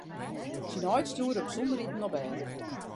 Syn heit stjoerde him sonder iten op bêd.